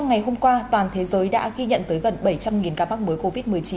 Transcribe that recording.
ngày hôm qua toàn thế giới đã ghi nhận tới gần bảy trăm linh ca mắc mới covid một mươi chín